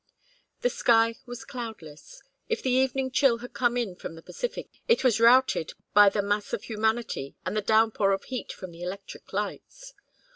The sky was cloudless. If the evening chill had come in from the Pacific, it was routed by the mass of humanity and the downpour of heat from the electric lights.